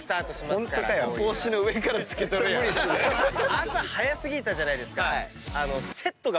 朝早過ぎたじゃないですか。